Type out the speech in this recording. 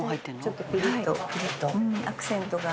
ちょっとピリッとアクセントが。